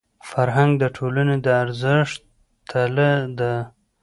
فرهنګ د ټولني د ارزښتونو تله ده.